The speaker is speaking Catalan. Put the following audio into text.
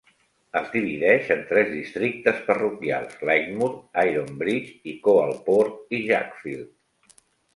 Es divideix en tres districtes parroquials: Lightmoor, Ironbridge, i Coalport i Jackfield.